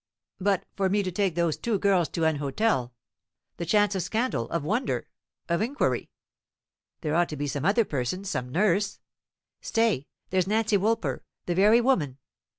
"But for me to take those two girls to an hotel the chance of scandal, of wonder, of inquiry? There ought to be some other person some nurse. Stay, there's Nancy Woolper the very woman!